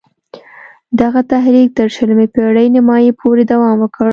دغه تحریک تر شلمې پېړۍ نیمايی پوري دوام وکړ.